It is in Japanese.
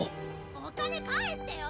お金返してよ！